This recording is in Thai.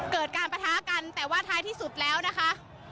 เกิดการประทะกันแต่ว่าท้ายที่สุดแล้วนะคะ